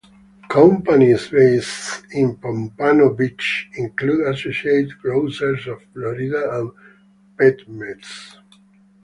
Companies based in Pompano Beach include Associated Grocers of Florida and PetMeds.